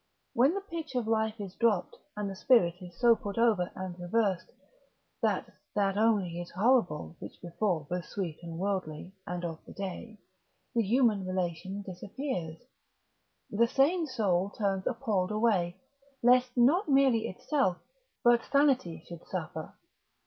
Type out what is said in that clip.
When the pitch of Life is dropped, and the spirit is so put over and reversed that that only is horrible which before was sweet and worldly and of the day, the human relation disappears. The sane soul turns appalled away, lest not merely itself, but sanity should suffer.